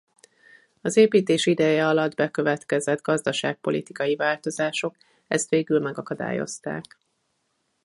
Az építés ideje alatt bekövetkezett gazdasági-politikai változások ezt végül megakadályozták.